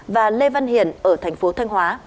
và lê văn hiển ở thành phố thanh hóa